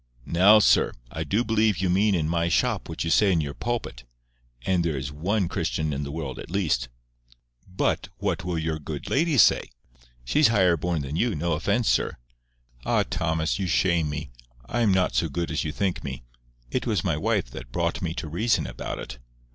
"Now, sir, I do believe you mean in my shop what you say in your pulpit; and there is ONE Christian in the world at least.—But what will your good lady say? She's higher born than you—no offence, sir." "Ah, Thomas, you shame me. I am not so good as you think me. It was my wife that brought me to reason about it."